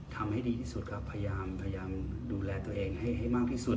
ทำให้ดีที่สุดครับพยายามดูแลตัวเองให้มากที่สุด